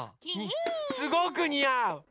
すごくにあう！